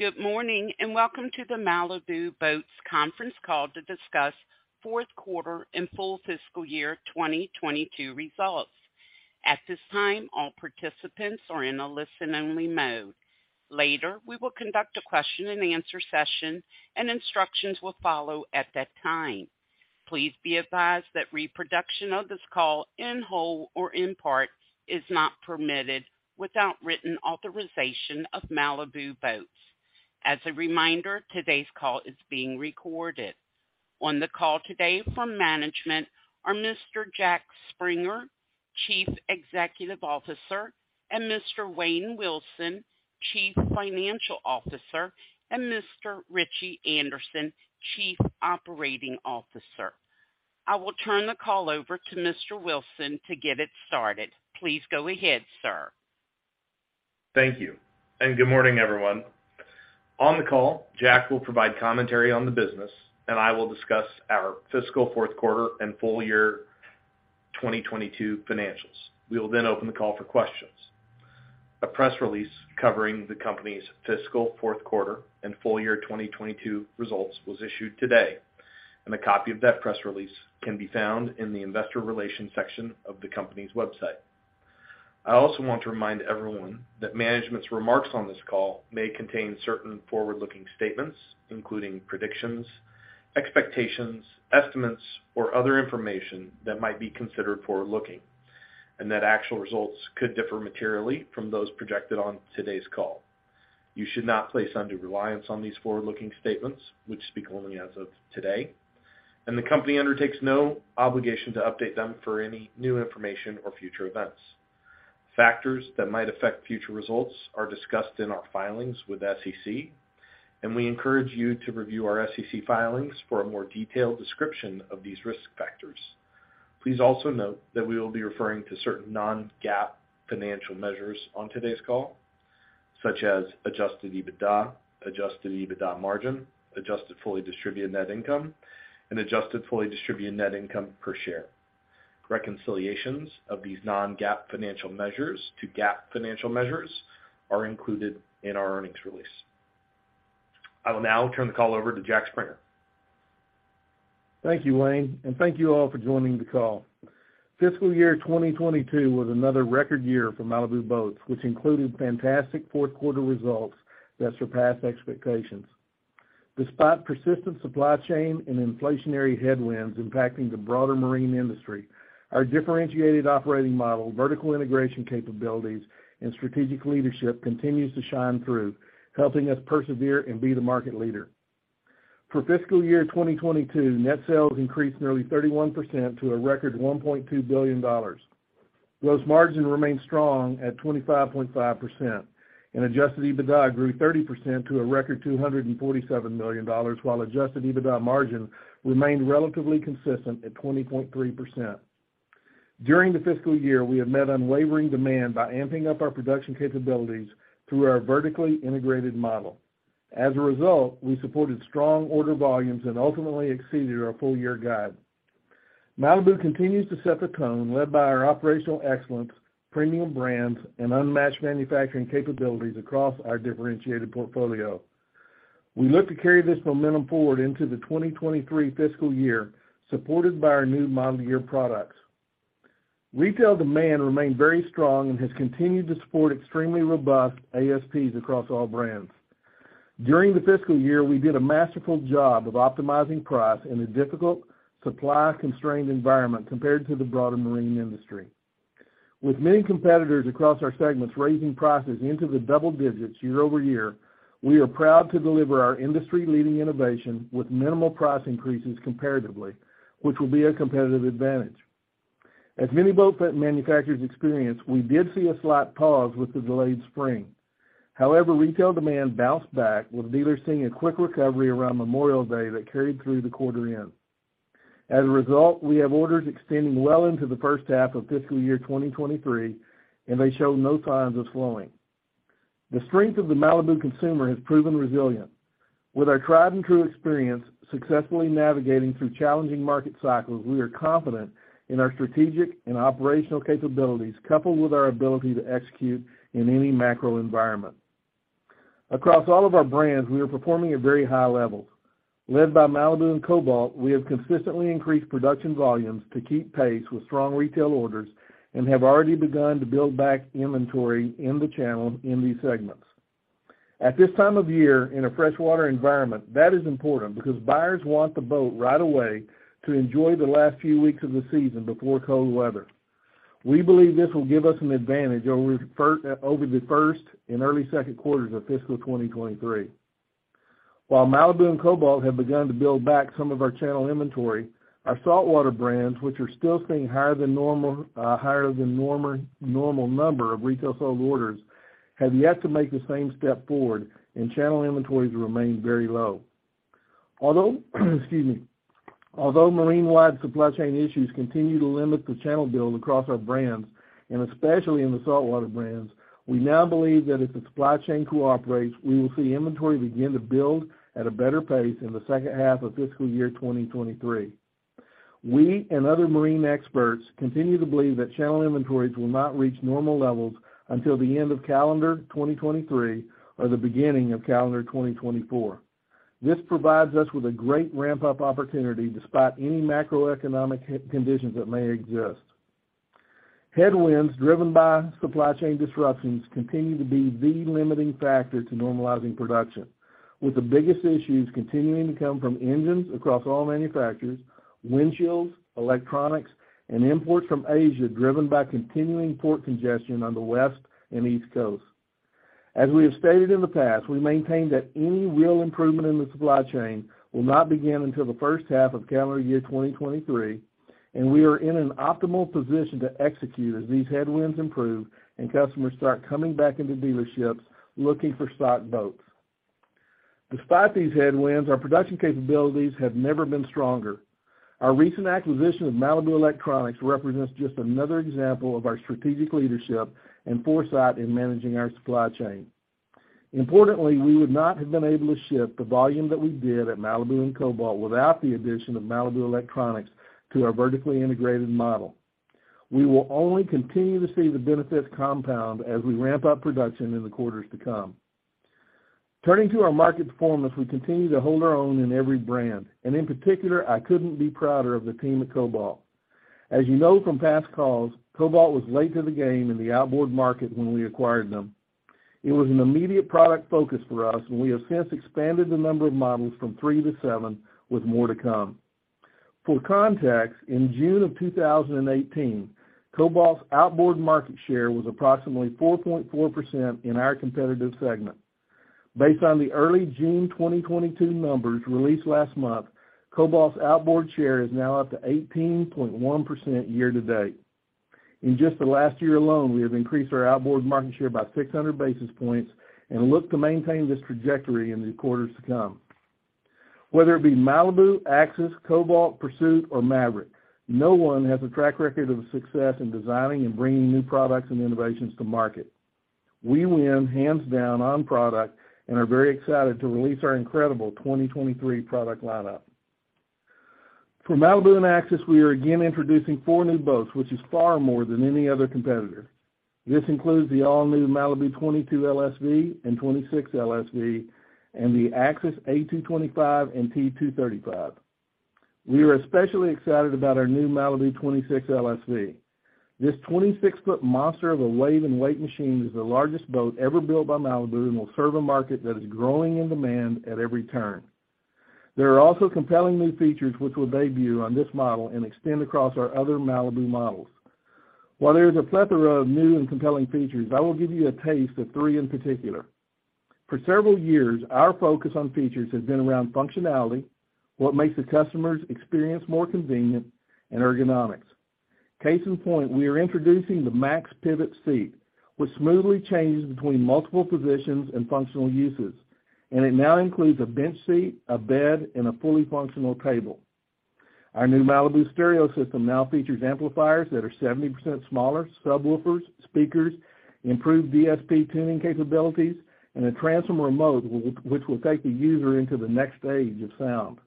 Good morning, and welcome to the Malibu Boats Conference Call to discuss Fourth Quarter and Full Fiscal Year 2022 Results. At this time, all participants are in a listen-only mode. Later, we will conduct a question-and-answer session, and instructions will follow at that time. Please be advised that reproduction of this call, in whole or in part, is not permitted without written authorization of Malibu Boats. As a reminder, today's call is being recorded. On the call today from management are Mr. Jack Springer, Chief Executive Officer, and Mr. Wayne Wilson, Chief Financial Officer, and Mr. Ritchie Anderson, Chief Operating Officer. I will turn the call over to Mr. Wilson to get it started. Please go ahead, sir. Thank you, and good morning, everyone. On the call, Jack will provide commentary on the business, and I will discuss our fiscal fourth quarter and full year 2022 financials. We will then open the call for questions. A press release covering the company's fiscal fourth quarter and full year 2022 results was issued today, and a copy of that press release can be found in the investor relations section of the company's website. I also want to remind everyone that management's remarks on this call may contain certain forward-looking statements, including predictions, expectations, estimates, or other information that might be considered forward-looking, and that actual results could differ materially from those projected on today's call. You should not place undue reliance on these forward-looking statements, which speak only as of today, and the company undertakes no obligation to update them for any new information or future events. Factors that might affect future results are discussed in our filings with SEC, and we encourage you to review our SEC filings for a more detailed description of these risk factors. Please also note that we will be referring to certain non-GAAP financial measures on today's call, such as Adjusted EBITDA, Adjusted EBITDA Margin, adjusted fully distributed net income, and adjusted fully distributed net income per share. Reconciliations of these non-GAAP financial measures to GAAP financial measures are included in our earnings release. I will now turn the call over to Jack Springer. Thank you, Wayne, and thank you all for joining the call. Fiscal year 2022 was another record year for Malibu Boats, which included fantastic fourth quarter results that surpassed expectations. Despite persistent supply chain and inflationary headwinds impacting the broader marine industry, our differentiated operating model, vertical integration capabilities, and strategic leadership continues to shine through, helping us persevere and be the market leader. For fiscal year 2022, net sales increased nearly 31% to a record $1.2 billion. Gross margin remained strong at 25.5%, and Adjusted EBITDA grew 30% to a record $247 million, while Adjusted EBITDA margin remained relatively consistent at 20.3%. During the fiscal year, we have met unwavering demand by amping up our production capabilities through our vertically integrated model. As a result, we supported strong order volumes and ultimately exceeded our full-year guide. Malibu continues to set the tone led by our operational excellence, premium brands, and unmatched manufacturing capabilities across our differentiated portfolio. We look to carry this momentum forward into the 2023 fiscal year, supported by our new model year products. Retail demand remained very strong and has continued to support extremely robust ASPs across all brands. During the fiscal year, we did a masterful job of optimizing price in a difficult supply-constrained environment compared to the broader marine industry. With many competitors across our segments raising prices into the double digits year-over-year, we are proud to deliver our industry-leading innovation with minimal price increases comparatively, which will be a competitive advantage. As many boat manufacturers experience, we did see a slight pause with the delayed spring. However, retail demand bounced back with dealers seeing a quick recovery around Memorial Day that carried through the quarter end. As a result, we have orders extending well into the first half of fiscal year 2023, and they show no signs of slowing. The strength of the Malibu consumer has proven resilient. With our tried-and-true experience successfully navigating through challenging market cycles, we are confident in our strategic and operational capabilities, coupled with our ability to execute in any macro environment. Across all of our brands, we are performing at very high levels. Led by Malibu and Cobalt, we have consistently increased production volumes to keep pace with strong retail orders and have already begun to build back inventory in the channel in these segments. At this time of year, in a freshwater environment, that is important because buyers want the boat right away to enjoy the last few weeks of the season before cold weather. We believe this will give us an advantage over the first and early second quarters of fiscal 2023. While Malibu and Cobalt have begun to build back some of our channel inventory, our saltwater brands, which are still seeing higher than normal number of retail sold orders, have yet to make the same step forward, and channel inventories remain very low. Although marine-wide supply chain issues continue to limit the channel build across our brands, and especially in the saltwater brands, we now believe that if the supply chain cooperates, we will see inventory begin to build at a better pace in the second half of fiscal year 2023. We and other marine experts continue to believe that channel inventories will not reach normal levels until the end of calendar 2023 or the beginning of calendar 2024. This provides us with a great ramp-up opportunity despite any macroeconomic headwinds that may exist. Headwinds driven by supply chain disruptions continue to be the limiting factor to normalizing production, with the biggest issues continuing to come from engines across all manufacturers, windshields, electronics, and imports from Asia, driven by continuing port congestion on the West and East Coasts. As we have stated in the past, we maintain that any real improvement in the supply chain will not begin until the first half of calendar year 2023, and we are in an optimal position to execute as these headwinds improve and customers start coming back into dealerships looking for stock boats. Despite these headwinds, our production capabilities have never been stronger. Our recent acquisition of Malibu Electronics represents just another example of our strategic leadership and foresight in managing our supply chain. Importantly, we would not have been able to ship the volume that we did at Malibu and Cobalt without the addition of Malibu Electronics to our vertically integrated model. We will only continue to see the benefits compound as we ramp up production in the quarters to come. Turning to our market performance, we continue to hold our own in every brand, and in particular, I couldn't be prouder of the team at Cobalt. As you know from past calls, Cobalt was late to the game in the outboard market when we acquired them. It was an immediate product focus for us, and we have since expanded the number of models from three to seven, with more to come. For context, in June 2018, Cobalt's outboard market share was approximately 4.4% in our competitive segment. Based on the early June 2022 numbers released last month, Cobalt's outboard share is now up to 18.1% year to date. In just the last year alone, we have increased our outboard market share by 600 basis points and look to maintain this trajectory in the quarters to come. Whether it be Malibu, Axis, Cobalt, Pursuit, or Maverick, no one has a track record of success in designing and bringing new products and innovations to market. We win hands down on product and are very excited to release our incredible 2023 product lineup. For Malibu and Axis, we are again introducing four new boats, which is far more than any other competitor. This includes the all-new Malibu 22 LSV and 26 LSV and the Axis A225 and T235. We are especially excited about our new Malibu 26 LSV. This 26-foot monster of a wave and wake machine is the largest boat ever built by Malibu and will serve a market that is growing in demand at every turn. There are also compelling new features which will debut on this model and extend across our other Malibu models. While there is a plethora of new and compelling features, I will give you a taste of three in particular. For several years, our focus on features has been around functionality, what makes the customer's experience more convenient, and ergonomics. Case in point, we are introducing the MaxPivot Seat, which smoothly changes between multiple positions and functional uses, and it now includes a bench seat, a bed, and a fully functional table. Our new Malibu stereo system now features amplifiers that are 70% smaller, subwoofers, speakers, improved DSP tuning capabilities, and a transom remote which will take the user into the next stage of sound.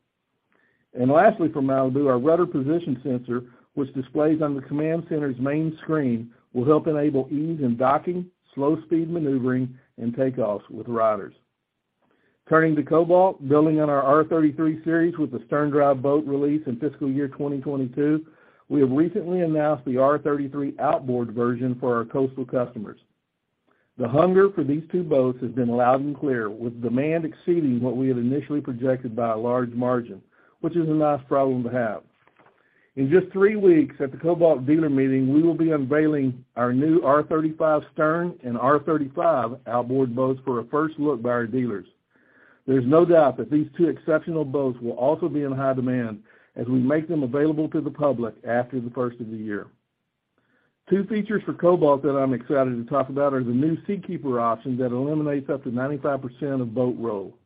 Lastly, for Malibu, our rudder position sensor, which displays on the command center's main screen, will help enable ease in docking, slow-speed maneuvering, and takeoffs with riders. Turning to Cobalt, building on our R33 series with the sterndrive boat release in fiscal year 2022, we have recently announced the R33 outboard version for our coastal customers. The hunger for these two boats has been loud and clear, with demand exceeding what we had initially projected by a large margin, which is a nice problem to have. In just three weeks at the Cobalt dealer meeting, we will be unveiling our new R35 sterndrive and R35 outboard boats for a first look by our dealers. There's no doubt that these two exceptional boats will also be in high demand as we make them available to the public after the first of the year. Two features for Cobalt that I'm excited to talk about are the new SeaKeeper option that eliminates up to 95% of boat roll.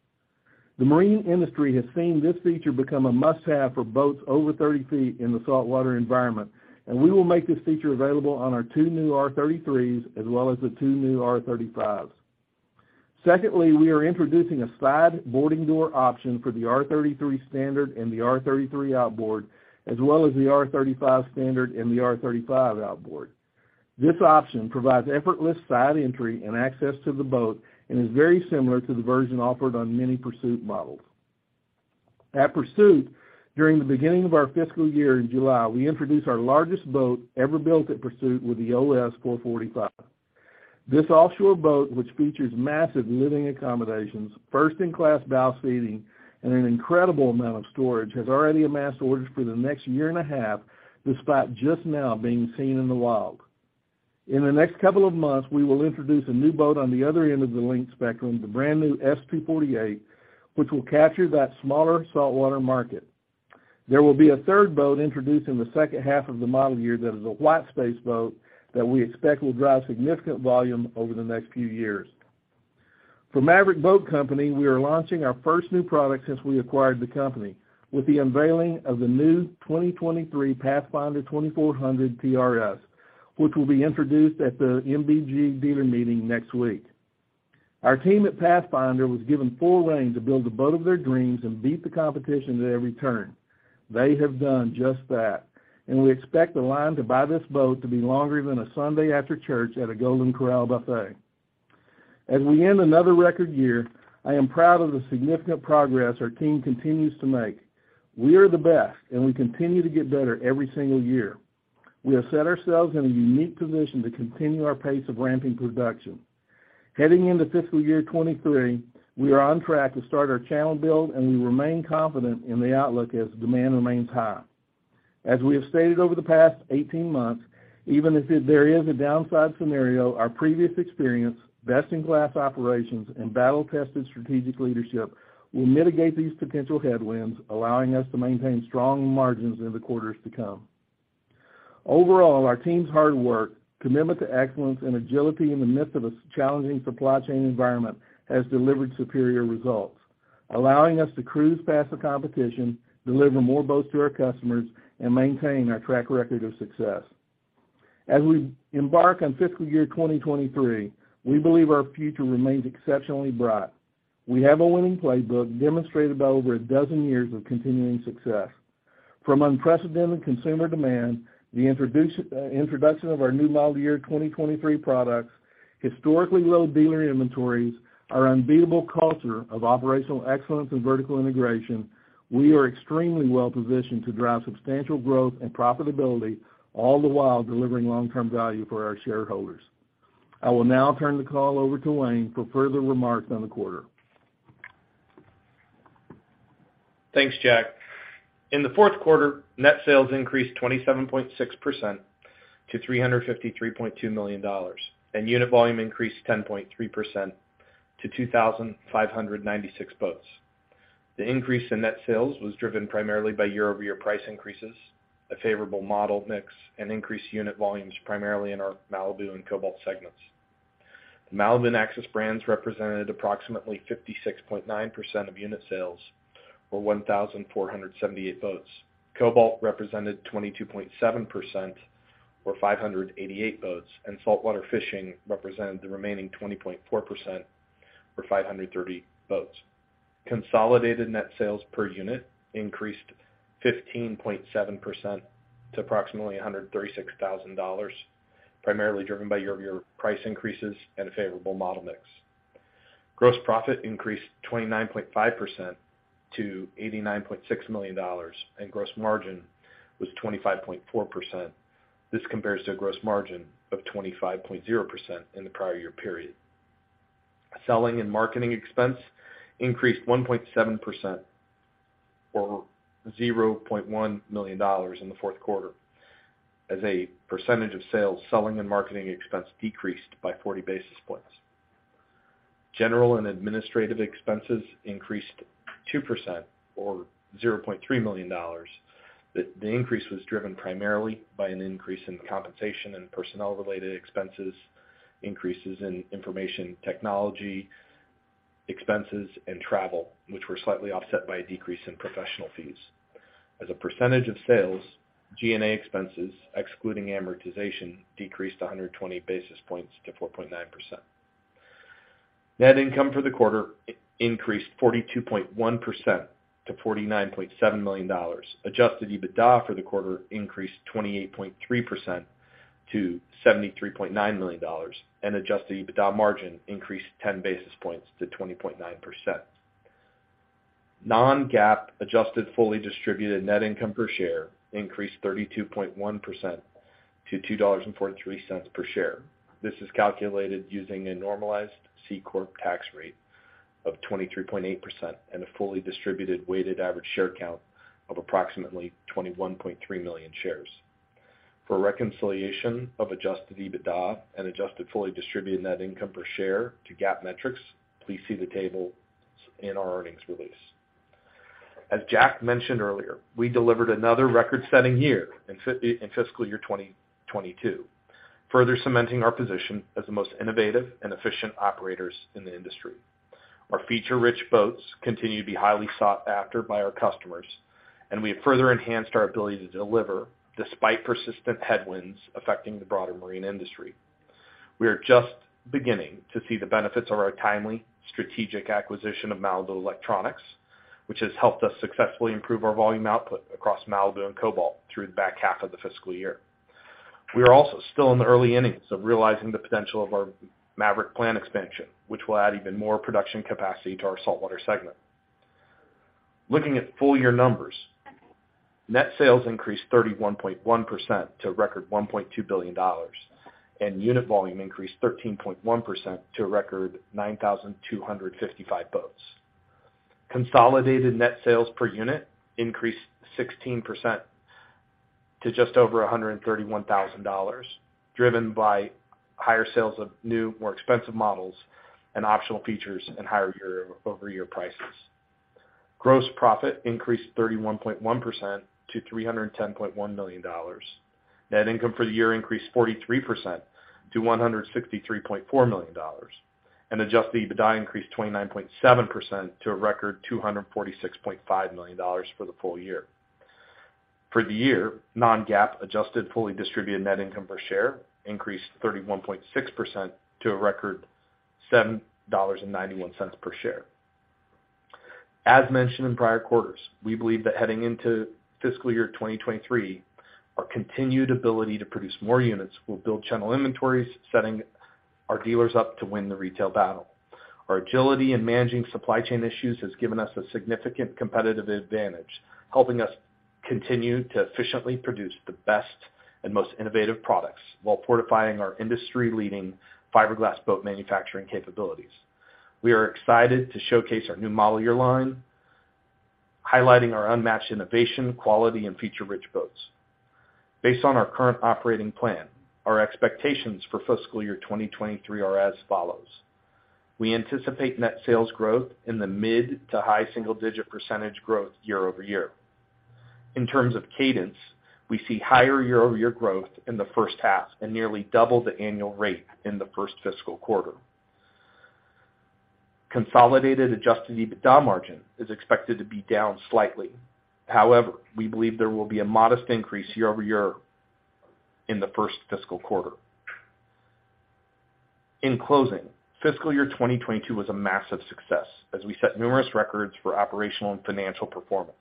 The marine industry has seen this feature become a must-have for boats over 30 feet in the saltwater environment, and we will make this feature available on our two new R33s as well as the two new R35s. Secondly, we are introducing a side boarding door option for the R33 standard and the R33 outboard, as well as the R35 standard and the R35 outboard. This option provides effortless side entry and access to the boat and is very similar to the version offered on many Pursuit models. At Pursuit, during the beginning of our fiscal year in July, we introduced our largest boat ever built at Pursuit with the OS 445. This offshore boat, which features massive living accommodations, first-in-class bow seating, and an incredible amount of storage, has already amassed orders for the next year and a half, despite just now being seen in the wild. In the next couple of months, we will introduce a new boat on the other end of the length spectrum, the brand-new S 248, which will capture that smaller saltwater market. There will be a third boat introduced in the second half of the model year that is a white space boat that we expect will drive significant volume over the next few years. For Maverick Boat Group, we are launching our first new product since we acquired the company, with the unveiling of the new 2023 Pathfinder 2400 TRS, which will be introduced at the MBG dealer meeting next week. Our team at Pathfinder was given full rein to build the boat of their dreams and beat the competition at every turn. They have done just that, and we expect the line to buy this boat to be longer than a Sunday after church at a Golden Corral buffet. As we end another record year, I am proud of the significant progress our team continues to make. We are the best, and we continue to get better every single year. We have set ourselves in a unique position to continue our pace of ramping production. Heading into fiscal year 2023, we are on track to start our channel build, and we remain confident in the outlook as demand remains high. As we have stated over the past 18 months, even if there is a downside scenario, our previous experience, best-in-class operations, and battle-tested strategic leadership will mitigate these potential headwinds, allowing us to maintain strong margins in the quarters to come. Overall, our team's hard work, commitment to excellence, and agility in the midst of a challenging supply chain environment has delivered superior results, allowing us to cruise past the competition, deliver more boats to our customers, and maintain our track record of success. As we embark on fiscal year 2023, we believe our future remains exceptionally bright. We have a winning playbook demonstrated by over a dozen years of continuing success. From unprecedented consumer demand, the introduction of our new model year 2023 products, historically low dealer inventories, our unbeatable culture of operational excellence and vertical integration, we are extremely well positioned to drive substantial growth and profitability, all the while delivering long-term value for our shareholders. I will now turn the call over to Wayne for further remarks on the quarter. Thanks, Jack. In the fourth quarter, net sales increased 27.6% to $353.2 million, and unit volume increased 10.3% to 2,596 boats. The increase in net sales was driven primarily by year-over-year price increases, a favorable model mix, and increased unit volumes, primarily in our Malibu and Cobalt segments. The Malibu and Axis brands represented approximately 56.9% of unit sales, or 1,478 boats. Cobalt represented 22.7%, or 588 boats, and saltwater fishing represented the remaining 20.4%, or 530 boats. Consolidated net sales per unit increased 15.7% to approximately $136,000, primarily driven by year-over-year price increases and a favorable model mix. Gross profit increased 29.5% to $89.6 million, and gross margin was 25.4%. This compares to a gross margin of 25.0% in the prior year period. Selling and marketing expense increased 1.7%, or $0.1 million in the fourth quarter. As a percentage of sales, selling and marketing expense decreased by 40 basis points. General and administrative expenses increased 2%, or $0.3 million. The increase was driven primarily by an increase in compensation and personnel-related expenses, increases in information technology expenses and travel, which were slightly offset by a decrease in professional fees. As a percentage of sales, G&A expenses, excluding amortization, decreased 120 basis points to 4.9%. Net income for the quarter increased 42.1% to $49.7 million. Adjusted EBITDA for the quarter increased 28.3% to $73.9 million, and adjusted EBITDA margin increased 10 basis points to 20.9%. Non-GAAP adjusted fully distributed net income per share increased 32.1% to $2.43 per share. This is calculated using a normalized C Corp tax rate of 23.8% and a fully distributed weighted average share count of approximately 21.3 million shares. For a reconciliation of adjusted EBITDA and adjusted fully distributed net income per share to GAAP metrics, please see the tables in our earnings release. As Jack mentioned earlier, we delivered another record-setting year in fiscal year 2022, further cementing our position as the most innovative and efficient operators in the industry. Our feature-rich boats continue to be highly sought after by our customers, and we have further enhanced our ability to deliver despite persistent headwinds affecting the broader marine industry. We are just beginning to see the benefits of our timely strategic acquisition of Malibu Electronics, which has helped us successfully improve our volume output across Malibu and Cobalt through the back half of the fiscal year. We are also still in the early innings of realizing the potential of our Maverick plant expansion, which will add even more production capacity to our saltwater segment. Looking at full year numbers, net sales increased 31.1% to a record $1.2 billion, and unit volume increased 13.1% to a record 9,255 boats. Consolidated net sales per unit increased 16% to just over $131,000, driven by higher sales of new, more expensive models and optional features and higher year-over-year prices. Gross profit increased 31.1% to $310.1 million. Net income for the year increased 43% to $163.4 million, and Adjusted EBITDA increased 29.7% to a record $246.5 million for the full year. For the year, non-GAAP adjusted fully distributed net income per share increased 31.6% to a record $7.91 per share. As mentioned in prior quarters, we believe that heading into fiscal year 2023, our continued ability to produce more units will build channel inventories, setting our dealers up to win the retail battle. Our agility in managing supply chain issues has given us a significant competitive advantage, helping us continue to efficiently produce the best and most innovative products while fortifying our industry-leading fiberglass boat manufacturing capabilities. We are excited to showcase our new model year line, highlighting our unmatched innovation, quality, and feature-rich boats. Based on our current operating plan, our expectations for fiscal year 2023 are as follows. We anticipate net sales growth in the mid- to high single-digit % year-over-year. In terms of cadence, we see higher year-over-year growth in the first half and nearly double the annual rate in the first fiscal quarter. Consolidated Adjusted EBITDA margin is expected to be down slightly. However, we believe there will be a modest increase year-over-year in the first fiscal quarter. In closing, fiscal year 2022 was a massive success as we set numerous records for operational and financial performance.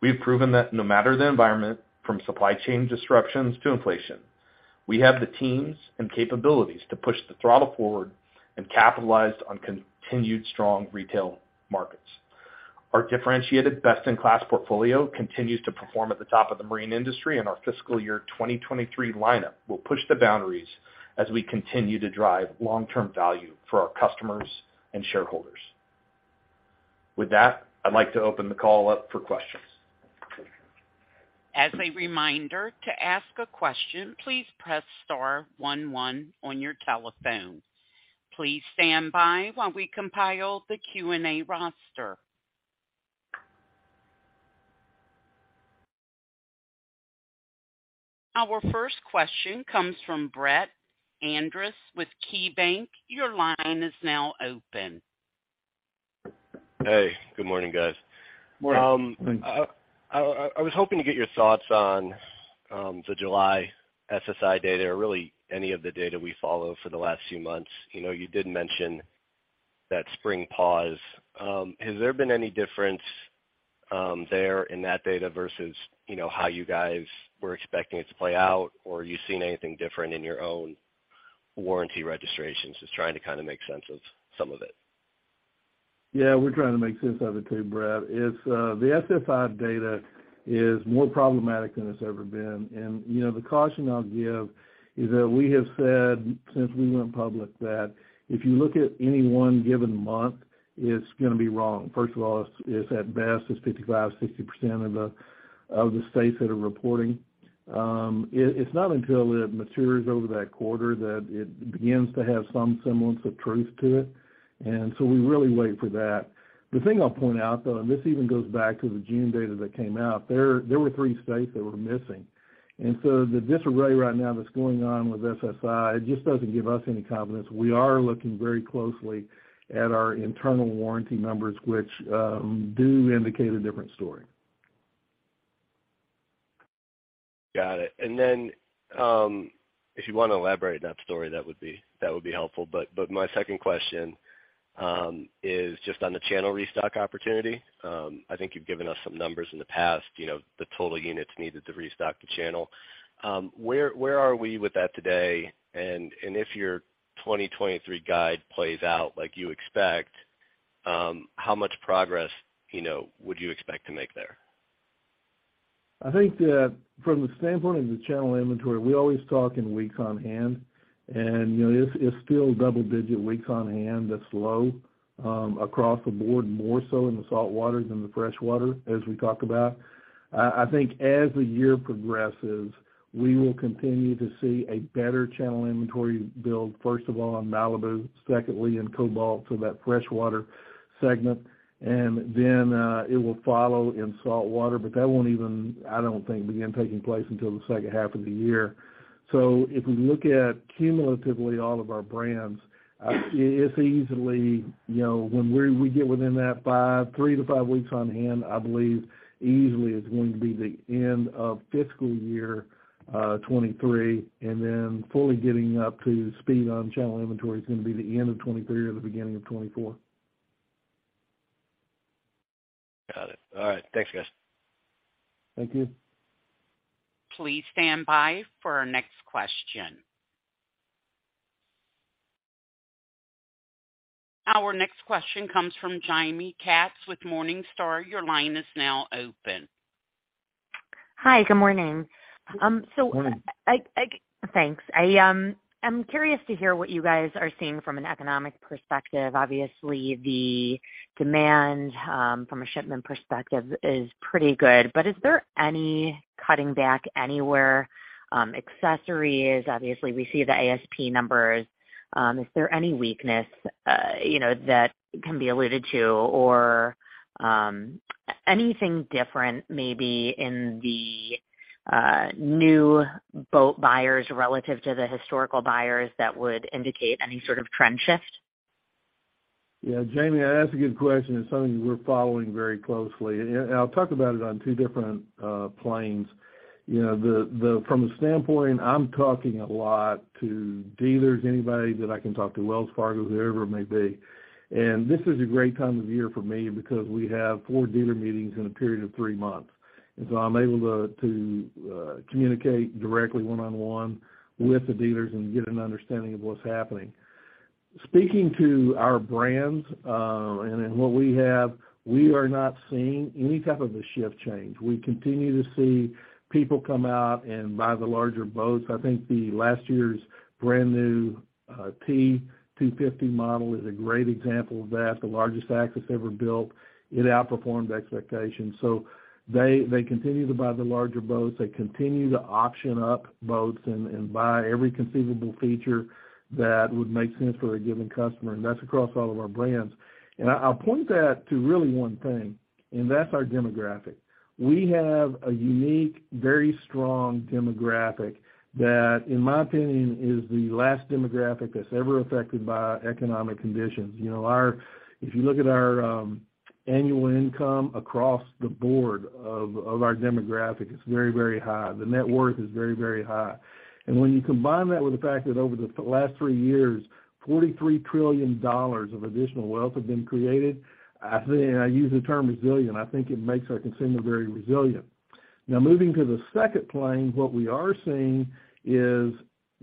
We have proven that no matter the environment, from supply chain disruptions to inflation, we have the teams and capabilities to push the throttle forward and capitalized on continued strong retail markets. Our differentiated best-in-class portfolio continues to perform at the top of the marine industry, and our fiscal year 2023 lineup will push the boundaries as we continue to drive long-term value for our customers and shareholders. With that, I'd like to open the call up for questions. As a reminder, to ask a question, please press star one one on your telephone. Please stand by while we compile the Q&A roster. Our first question comes from Brett Andress with KeyBanc. Your line is now open. Hey, good morning, guys. Morning. I was hoping to get your thoughts on the July SSI data or really any of the data we follow for the last few months. You know, you did mention that spring pause. Has there been any difference there in that data versus, you know, how you guys were expecting it to play out? Or are you seeing anything different in your own warranty registrations? Just trying to kind of make sense of some of it. Yeah, we're trying to make sense of it too, Brett. It's the SSI data is more problematic than it's ever been. You know, the caution I'll give is that we have said since we went public that if you look at any one given month, it's gonna be wrong. First of all, it's at best 55%-60% of the states that are reporting. It's not until it matures over that quarter that it begins to have some semblance of truth to it. We really wait for that. The thing I'll point out, though, and this even goes back to the June data that came out, there were three states that were missing. The disarray right now that's going on with SSI, it just doesn't give us any confidence. We are looking very closely at our internal warranty numbers, which do indicate a different story. Got it. If you wanna elaborate on that story, that would be helpful. My second question is just on the channel restock opportunity. I think you've given us some numbers in the past, you know, the total units needed to restock the channel. Where are we with that today? If your 2023 guide plays out like you expect, how much progress, you know, would you expect to make there? I think that from the standpoint of the channel inventory, we always talk in weeks on hand. You know, it's still double-digit weeks on hand that's low across the board, more so in the saltwater than the freshwater, as we talked about. I think as the year progresses, we will continue to see a better channel inventory build, first of all, on Malibu, secondly, in Cobalt, so that freshwater segment. It will follow in saltwater, but that won't even, I don't think, begin taking place until the second half of the year. If we look at cumulatively all of our brands, it's easily, you know, when we get within that three-five weeks on hand, I believe easily is going to be the end of fiscal year 2023, and then fully getting up to speed on channel inventory is gonna be the end of 2023 or the beginning of 2024. Got it. All right. Thanks, guys. Thank you. Please stand by for our next question. Our next question comes from Jaime Katz with Morningstar. Your line is now open. Hi. Good morning. Good morning. Thanks. I'm curious to hear what you guys are seeing from an economic perspective. Obviously, the demand from a shipment perspective is pretty good. Is there any cutting back anywhere, accessories? Obviously, we see the ASP numbers. Is there any weakness, you know, that can be alluded to or, anything different maybe in the, new boat buyers relative to the historical buyers that would indicate any sort of trend shift? Yeah, Jaime, that's a good question and something we're following very closely. I'll talk about it on two different planes. You know, from a standpoint, I'm talking a lot to dealers, anybody that I can talk to, Wells Fargo, whoever it may be. This is a great time of year for me because we have four dealer meetings in a period of three months. I'm able to communicate directly one-on-one with the dealers and get an understanding of what's happening. Speaking to our brands, and then what we have, we are not seeing any type of a shift change. We continue to see people come out and buy the larger boats. I think the last year's brand new T250 model is a great example of that, the largest Axis ever built. It outperformed expectations. They continue to buy the larger boats. They continue to option up boats and buy every conceivable feature that would make sense for a given customer, and that's across all of our brands. I point that to really one thing, and that's our demographic. We have a unique, very strong demographic that, in my opinion, is the last demographic that's ever affected by economic conditions. You know, if you look at our annual income across the board of our demographic, it's very, very high. The net worth is very, very high. When you combine that with the fact that over the last three years, $43 trillion of additional wealth have been created, I think, and I use the term resilient, I think it makes our consumer very resilient. Now moving to the second plane, what we are seeing is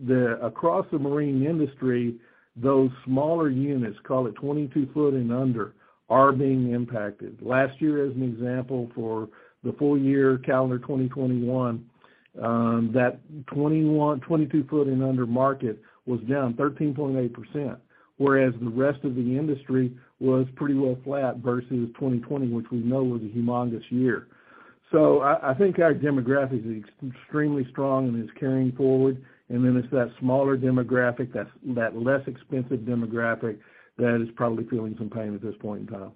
that across the marine industry, those smaller units, call it 22-foot and under, are being impacted. Last year, as an example, for the full year calendar 2021, that 21-, 22-foot and under market was down 13.8%, whereas the rest of the industry was pretty well flat versus 2020, which we know was a humongous year. I think our demographic is extremely strong and is carrying forward. It's that smaller demographic, that's that less expensive demographic that is probably feeling some pain at this point in time.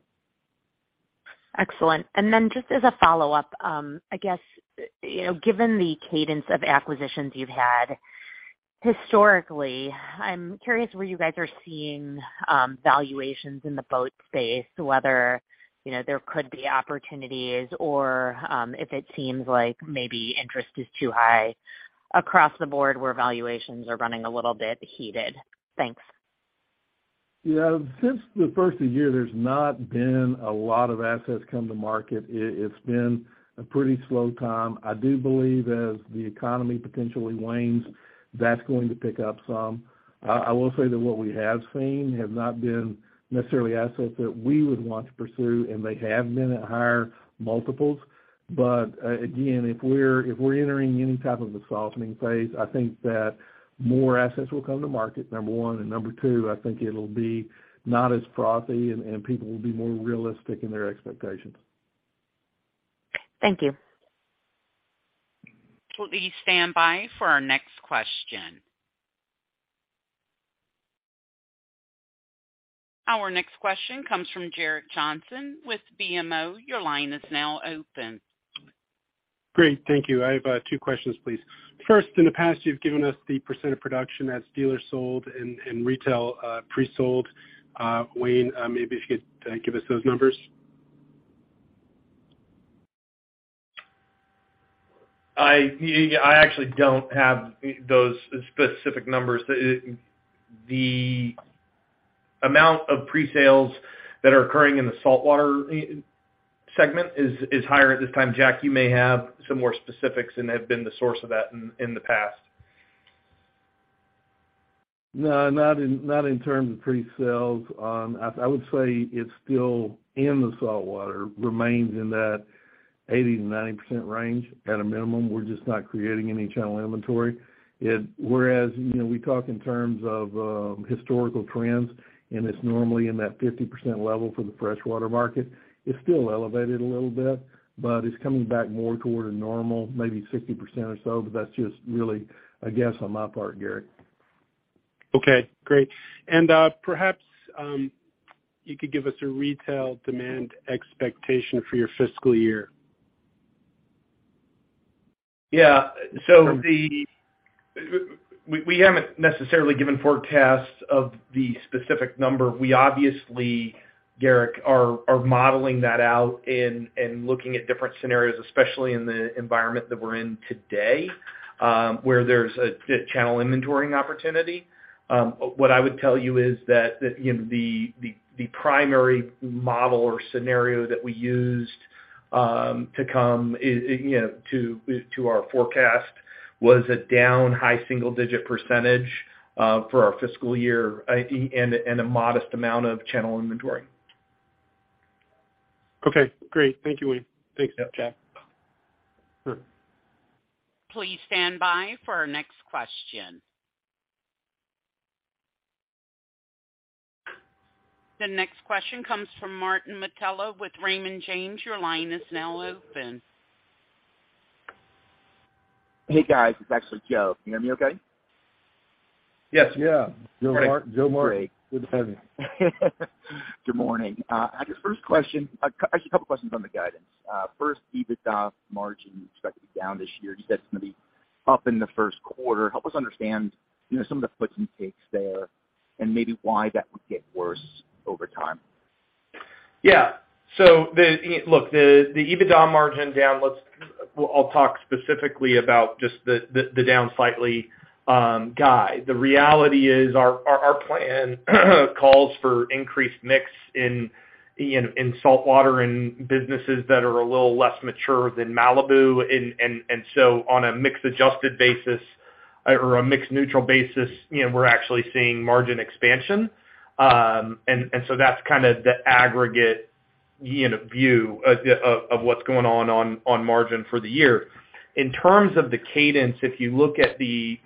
Excellent. Just as a follow-up, I guess, you know, given the cadence of acquisitions you've had historically, I'm curious where you guys are seeing valuations in the boat space, whether, you know, there could be opportunities or, if it seems like maybe interest is too high across the board where valuations are running a little bit heated. Thanks. Yeah, since the first of the year, there's not been a lot of assets come to market. It's been a pretty slow time. I do believe as the economy potentially wanes, that's going to pick up some. I will say that what we have seen have not been necessarily assets that we would want to pursue, and they have been at higher multiples. Again, if we're entering any type of a softening phase, I think that more assets will come to market, number one. Number two, I think it'll be not as frothy and people will be more realistic in their expectations. Thank you. Please stand by for our next question. Our next question comes from Gerrick Johnson with BMO. Your line is now open. Great. Thank you. I have two questions, please. First, in the past, you've given us the percent of production that's dealer sold and retail pre-sold. Wayne, maybe if you could give us those numbers. I actually don't have those specific numbers. The amount of pre-sales that are occurring in the saltwater segment is higher at this time. Jack, you may have some more specifics and have been the source of that in the past. No, not in terms of pre-sales. I would say it's still in the saltwater, remains in that 80%-90% range at a minimum. We're just not creating any channel inventory. Whereas, you know, we talk in terms of historical trends, and it's normally in that 50% level for the freshwater market. It's still elevated a little bit, but it's coming back more toward a normal, maybe 60% or so. But that's just really a guess on my part, Gerrick. Okay, great. Perhaps you could give us a retail demand expectation for your fiscal year. We haven't necessarily given forecasts of the specific number. We obviously, Gerrick, are modeling that out and looking at different scenarios, especially in the environment that we're in today, where there's a channel inventory opportunity. What I would tell you is that, you know, the primary model or scenario that we used to come to our forecast was a down high single-digit % for our fiscal year and a modest amount of channel inventory. Okay, great. Thank you, Wayne. Thanks. Yeah. Jack. Sure. Please stand by for our next question. The next question comes from Joseph Altobello with Raymond James. Your line is now open. Hey, guys. It's actually Joe. Can you hear me okay? Yes. Yeah. Joseph Altobello. Good to have you. Good morning. I guess first question, actually a couple of questions on the guidance. First, EBITDA margin expected to be down this year. You said it's gonna be up in the first quarter. Help us understand, you know, some of the puts and takes there and maybe why that would get worse over time. Yeah. Look, the EBITDA margin down. I'll talk specifically about just the downside guide. The reality is our plan calls for increased mix in, you know, in saltwater and businesses that are a little less mature than Malibu. On a mix-adjusted basis or a mix-neutral basis, you know, we're actually seeing margin expansion. That's kinda the aggregate view of what's going on on margin for the year. In terms of the cadence, if you look at the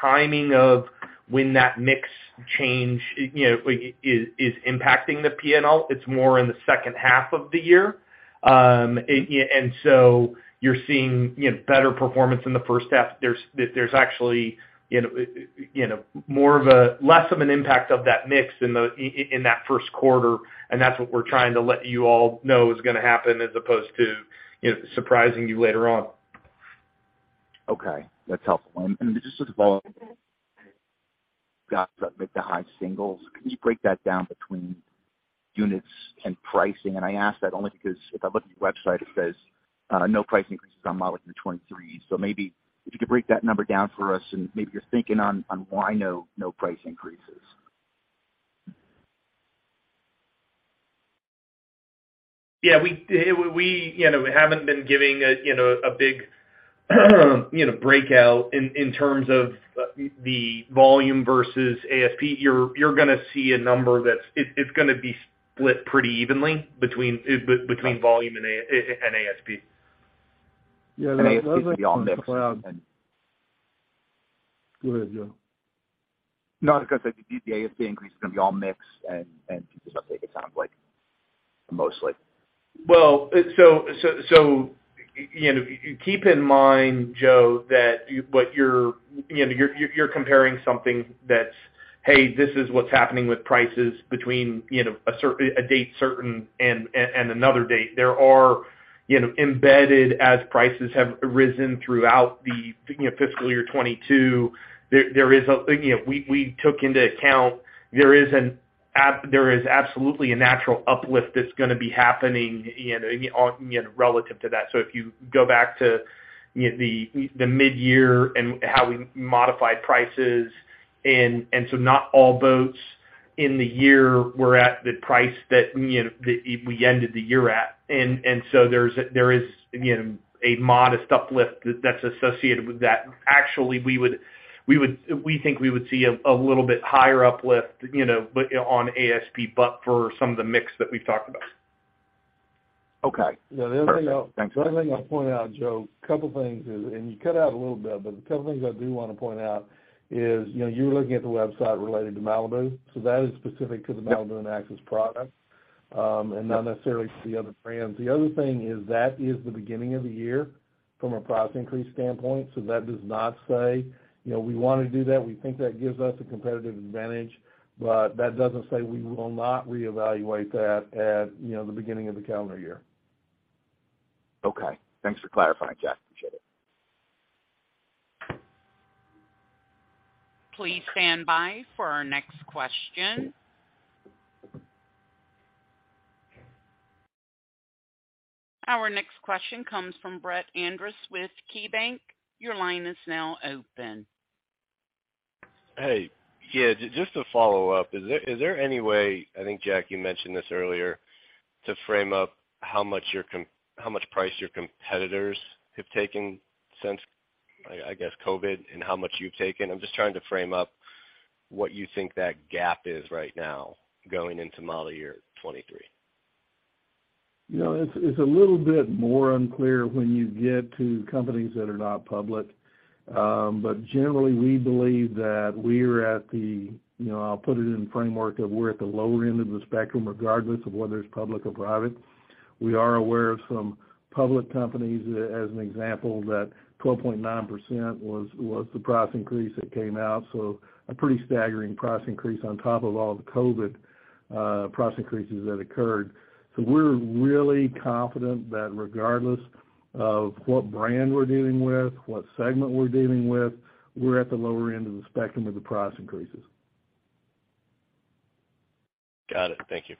timing of when that mix change, you know, like is impacting the P&L, it's more in the second half of the year. You're seeing, you know, better performance in the first half. There's actually, you know, less of an impact of that mix in the in that first quarter, and that's what we're trying to let you all know is gonna happen as opposed to, you know, surprising you later on. Okay, that's helpful. Just to follow up. Growth in the high single digits. Can you break that down between units and pricing? I ask that only because if I look at your website, it says no price increases on models in the 2023. Maybe if you could break that number down for us and maybe you're thinking on why no price increases. Yeah, you know, we haven't been giving, you know, a big, you know, breakout in terms of the volume versus ASP. You're gonna see a number that's gonna be split pretty evenly between volume and ASP. Yeah. ASP will be all mixed and. Go ahead, Joe. No, I was gonna say, the ASP increase is gonna be all mixed and just update, it sounds like, mostly. You know, keep in mind, Joe, that what you're you know, you're comparing something that's, hey, this is what's happening with prices between a date certain and another date. There are, you know, embedded, as prices have risen throughout the fiscal year 2022, there is a, you know, we took into account there is absolutely a natural uplift that's gonna be happening, you know, relative to that. If you go back to the midyear and how we modified prices, not all boats in the year were at the price that we ended the year at. There is, you know, a modest uplift that's associated with that. Actually, we think we would see a little bit higher uplift, you know, but, you know, on ASP, but for some of the mix that we've talked about. Okay. Yeah. Perfect. Thanks. The other thing I'll point out, Joe, is a couple of things. You cut out a little bit, but I do wanna point out, you know, you're looking at the website related to Malibu. So that is specific to the Malibu and Axis products, and not necessarily to the other brands. The other thing is that is the beginning of the year from a price increase standpoint. So that does not say, you know, we wanna do that. We think that gives us a competitive advantage, but that doesn't say we will not reevaluate that at, you know, the beginning of the calendar year. Okay. Thanks for clarifying, Jack. Appreciate it. Please stand by for our next question. Our next question comes from Brett Andress with KeyBanc. Your line is now open. Hey. Yeah, just to follow up. Is there any way, I think, Jack, you mentioned this earlier, to frame up how much price your competitors have taken since, I guess COVID and how much you've taken? I'm just trying to frame up what you think that gap is right now going into model year 2023. You know, it's a little bit more unclear when you get to companies that are not public. Generally, we believe that we're at the lower end of the spectrum, regardless of whether it's public or private. We are aware of some public companies, as an example, that 12.9% was the price increase that came out, so a pretty staggering price increase on top of all the COVID price increases that occurred. We're really confident that regardless of what brand we're dealing with, what segment we're dealing with, we're at the lower end of the spectrum of the price increases. Got it. Thank you.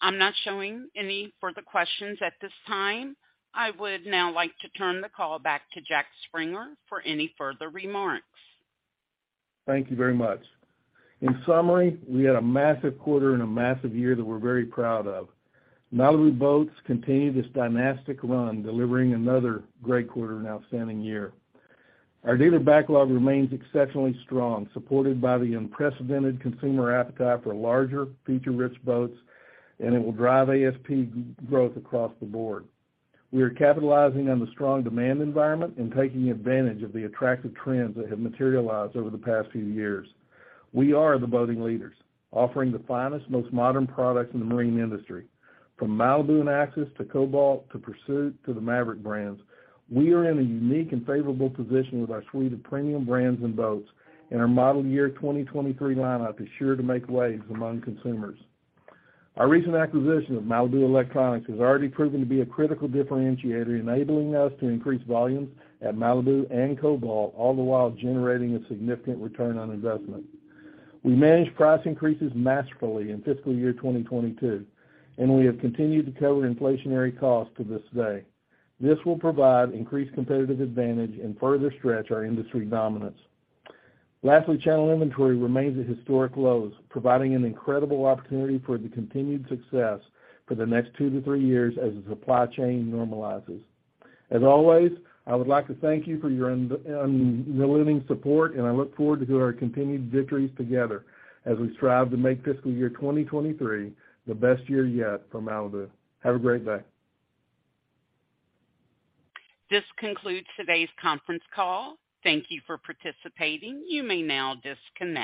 I'm not showing any further questions at this time. I would now like to turn the call back to Jack Springer for any further remarks. Thank you very much. In summary, we had a massive quarter and a massive year that we're very proud of. Malibu Boats continue this dynastic run, delivering another great quarter and outstanding year. Our dealer backlog remains exceptionally strong, supported by the unprecedented consumer appetite for larger feature-rich boats, and it will drive ASP growth across the board. We are capitalizing on the strong demand environment and taking advantage of the attractive trends that have materialized over the past few years. We are the boating leaders, offering the finest, most modern products in the marine industry. From Malibu and Axis to Cobalt to Pursuit to the Maverick brands. We are in a unique and favorable position with our suite of premium brands and boats, and our model year 2023 lineup is sure to make waves among consumers. Our recent acquisition of Malibu Electronics has already proven to be a critical differentiator, enabling us to increase volumes at Malibu and Cobalt, all the while generating a significant return on investment. We managed price increases masterfully in fiscal year 2022, and we have continued to cover inflationary costs to this day. This will provide increased competitive advantage and further stretch our industry dominance. Lastly, channel inventory remains at historic lows, providing an incredible opportunity for the continued success for the next two to three years as the supply chain normalizes. As always, I would like to thank you for your unrelenting support, and I look forward to our continued victories together as we strive to make fiscal year 2023 the best year yet for Malibu. Have a great day. This concludes today's conference call. Thank you for participating. You may now disconnect.